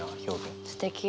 すてき。